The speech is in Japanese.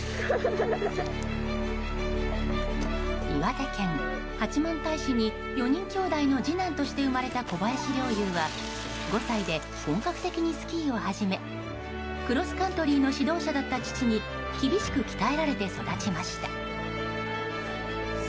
岩手県八幡平市に４人きょうだいの次男として生まれた小林陵侑は、５歳で本格的にスキーを始めクロスカントリーの指導者だった父に厳しく鍛えられて育ちました。